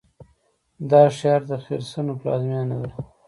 دا ښار د خرسونو پلازمینه ده.